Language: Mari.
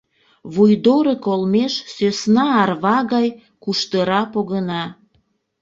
Вуйдорык олмеш сӧсна арва гай куштыра погына.